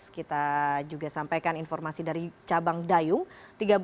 kita juga sampaikan informasi dari cabang dayung